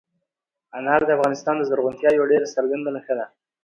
انار د افغانستان د زرغونتیا یوه ډېره څرګنده نښه ده.